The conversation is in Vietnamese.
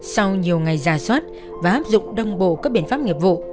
sau nhiều ngày gà sót và áp dụng đồng bộ các biện pháp nghiệp vụ